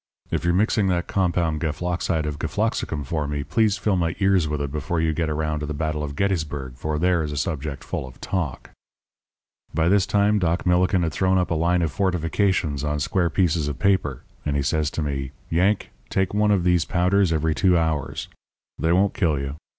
If you're mixing that compound gefloxide of gefloxicum for me, please fill my ears with it before you get around to the battle of Gettysburg, for there is a subject full of talk.' "By this time Doc Millikin had thrown up a line of fortifications on square pieces of paper; and he says to me: 'Yank, take one of these powders every two hours. They won't kill you.